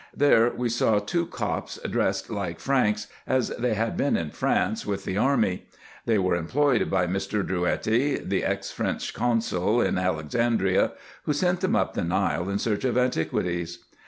There we saw two Copts dressed like Franks, as they had been in France with the army. They were employed by Mr. Drouetti, the ex French consul in Alexandria, who sent them up the Nile in search of antiquities.